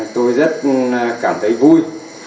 tôi rất cảm thấy vui